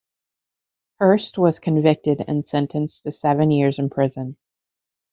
Hearst was convicted and sentenced to seven years in prison.